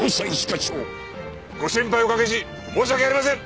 ご心配おかけし申し訳ありません！